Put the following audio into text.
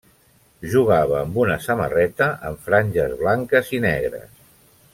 Jugava amb una samarreta amb franges blanques i negres.